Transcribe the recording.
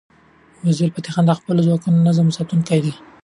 وزیرفتح خان د خپلو ځواکونو د نظم ساتونکی و.